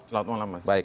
selamat malam mas